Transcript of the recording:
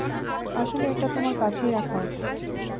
আসলে এটা তোমার কাছেই রাখা উচিত।